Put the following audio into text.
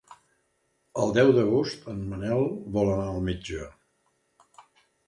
El deu d'agost en Manel vol anar al metge.